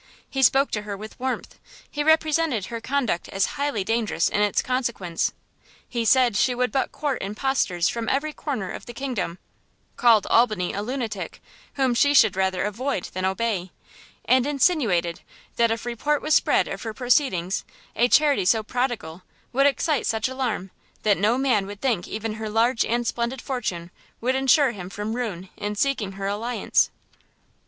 He spoke to her with warmth, he represented her conduct as highly dangerous in its consequence; he said she would but court impostors from every corner of the kingdom, called Albany a lunatic, whom she should rather avoid than obey; and insinuated that if a report was spread of her proceedings, a charity so prodigal, would excite such alarm, that no man would think even her large and splendid fortune, would ensure him from ruin in seeking her alliance.